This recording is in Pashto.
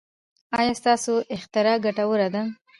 ایا ستاسو اختراع ګټوره ده؟